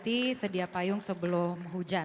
terima kasih sedia payung sebelum hujan